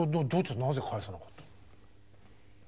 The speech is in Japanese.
なぜ返さなかった？